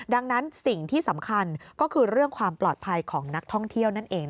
ดังนั้นสิ่งที่สำคัญก็คือเรื่องความปลอดภัยของนักท่องเที่ยวนั่นเอง